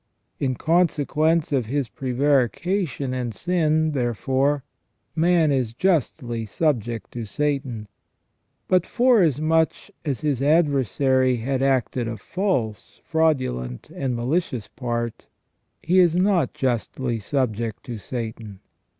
In consequence of his prevarication and sin, therefore, man is justly subject to Satan ; but forasmuch as his adversary has acted a false, fraudulent, and malicious part, he is not justly subject to Satan.